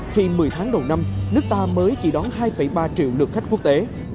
khi một mươi tháng đầu năm nước ta mới chỉ đón hai ba triệu lượt khách quốc tế